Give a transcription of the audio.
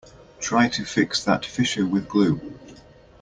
Try to fix that fissure with glue.